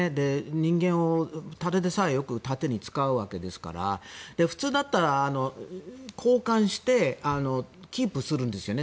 人間をただでさえよく盾に使うわけですから普通だったら交換してキープするんですよね